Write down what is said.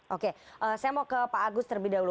oke saya mau ke pak agus terlebih dahulu